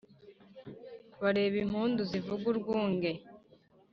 Bareba impundu zivuga urwunge